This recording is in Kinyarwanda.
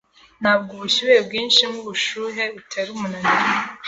Ntabwo ubushyuhe bwinshi nkubushuhe butera umunaniro.